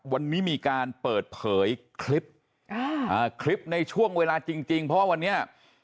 วันนี้มีการเปิดเผยคลิปคลิปในช่วงเวลาจริงจริงเพราะว่าวันนี้